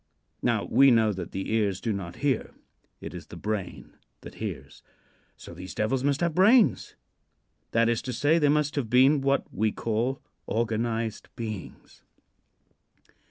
Now, we know that the ears do not hear. It is the brain that hears. So these devils must have brains; that is to say, they must have been what we call "organized beings."